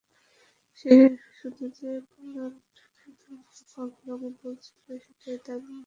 শুধু যে প্ল্যানটাকে তোমরা পাগলামো বলেছিলে সেটাই দারুণভাবে সফল হয়েছে।